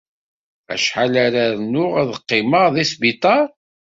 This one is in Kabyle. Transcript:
Acḥal ara rnuɣ ad qqimeɣ deg sbiṛar?